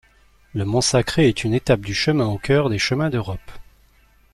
Le Mont Sacré est une étape du chemin Au cœur des chemins d'Europe.